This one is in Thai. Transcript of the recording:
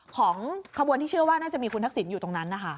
ของขบวนที่เชื่อว่าน่าจะมีคุณทักษิณอยู่ตรงนั้นนะคะ